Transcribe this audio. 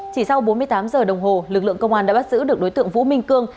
chỉ sau bốn mươi tám giờ đồng hồ lực lượng công an đã bắt giữ được đối tượng vũ minh cương